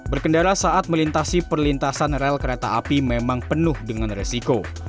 berkendara saat melintasi perlintasan rel kereta api memang penuh dengan resiko